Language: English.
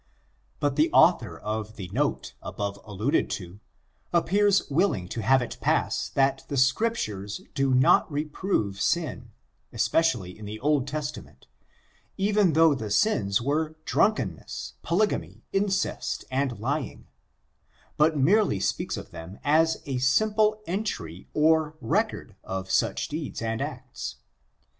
But the author of the note above alluded to ap pears willing to have it pass that the Scriptures do not reprove sin, especially in the Old Testament, even though the sins were drunkenness, polygamy^ incest and lying, but merely speaks of them as a simple entry or record of such deeds and acts.